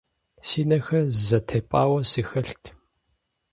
Си нэхэр зэтепӀауэ сыхэлът.